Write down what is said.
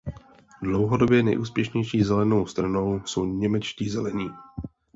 Dlouhodobě nejúspěšnější zelenou stranou jsou němečtí Zelení.